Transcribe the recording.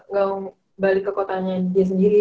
gak mau balik ke kotanya dia sendiri